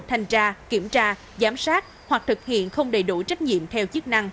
thanh tra kiểm tra giám sát hoặc thực hiện không đầy đủ trách nhiệm theo chức năng